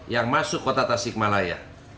yang masuk kota tasikmalaya